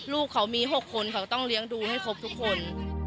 ลูกเขามี๖คนเขาก็ต้องเลี้ยงดูให้ครบทุกคน